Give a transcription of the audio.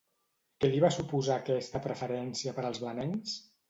Què li va suposar aquesta preferència per als blanencs?